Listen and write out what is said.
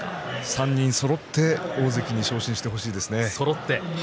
３人そろって大関に昇進してほしいですね。